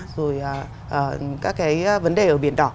rồi các cái vấn đề ở biển đỏ